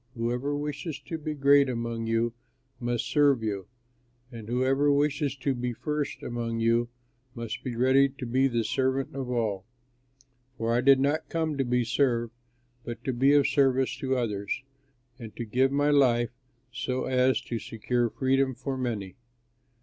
Whoever wishes to be great among you must serve you, and whoever wishes to be first among you must be ready to be the servant of all. For I did not come to be served but to be of service to others, and to give my life so as to secure freedom for many."